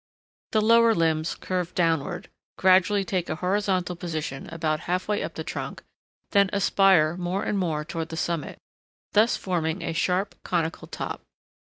The lower limbs curve downward, gradually take a horizontal position about half way up the trunk, then aspire more and more toward the summit, thus forming a sharp, conical top.